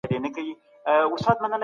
اسلامي شریعت د مالونو ساتنه فرض کړې.